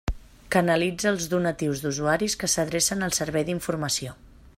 Canalitza els donatius d'usuaris que s'adrecen al servei d'informació.